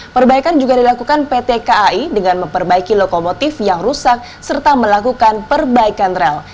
perbaikan juga dilakukan pt kai dengan memperbaiki lokomotif yang rusak serta melakukan perbaikan rel